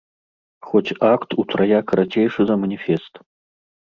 Хоць акт утрая карацейшы за маніфест.